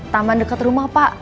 taman dekat rumah pak